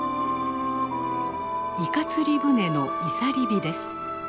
イカ釣り船の漁り火です。